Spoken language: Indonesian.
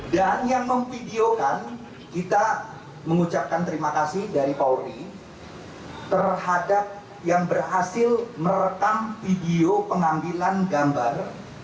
dan yang memvideokan kita mengucapkan terima kasih dari paul ri terhadap yang berhasil merekam video pengambilan gambar